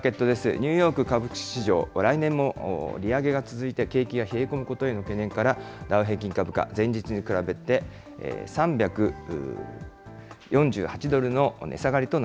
ニューヨーク株式市場、来年も利上げが続いて景気が冷え込むことへの懸念から、ダウ平均株価、前日に比べて３４８ドルの値下がり